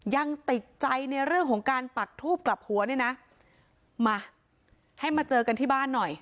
ยังติดใจในเรื่องของการปักทูบกลับหัวเนี่ยนะมาให้มาเจอกันที่บ้านหน่อย